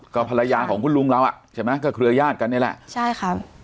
ก็ภรรยาของคุณลุงเราอ่ะใช่ไหมก็เครือญาติกันนี่แหละใช่ครับ